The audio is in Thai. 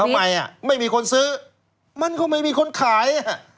ทำไมอ่ะไม่มีคนซื้อมันก็ไม่มีคนขาย